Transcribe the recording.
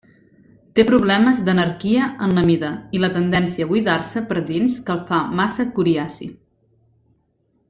Té problemes d'anarquia en la mida i la tendència a buidar-se per dins que el fa massa coriaci.